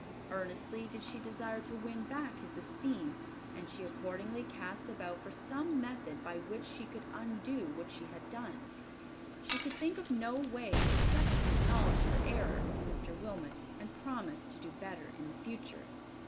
Earnestly did she desire to win back his esteem, and she accordingly cast about for some method by which she could undo what she had done. She could think of no way except to acknowledge her error to Mr. Wilmot and promise to do better in the future.